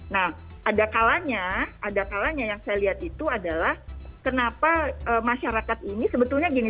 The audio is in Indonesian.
nah ada kalanya ada kalanya yang saya lihat itu adalah kenapa masyarakat ini sebetulnya gini